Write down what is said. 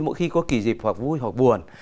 mỗi khi có kỳ dịp hoặc vui hoặc buồn